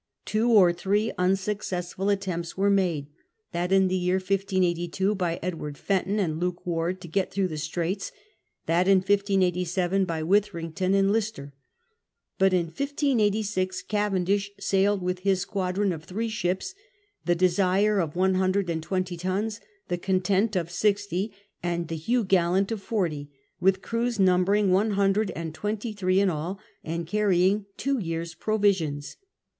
Two or three unsuccessful attempts were made, — that in the year 1582 by Edward Fenton and Luke Ward to got through the straits; that in 1587 by Withrington and Lister. But in 1586 Cavendish sailed with his squadron of three ships, — the Desire of one hundred and twenty tons, the Content of sixty, and the Hugh Gallant of forty, with crews numbering one hundred and twenty three in all, and carrying two years' provisions.